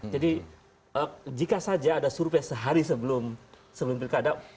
jadi jika saja ada suruh pes sehari sebelum pilkada